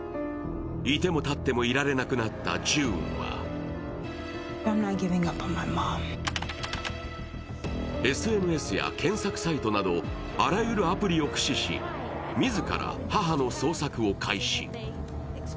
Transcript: いてもたってもいられなくなったジューンはＳＮＳや検索サイトなどあらゆるアプリを駆使し自ら母の捜索を開始。